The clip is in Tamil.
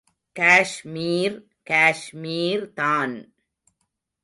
காஷ்மீர், காஷ்மீர் தான்!